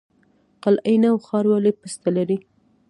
قلعه نو ښار ولې پسته لري؟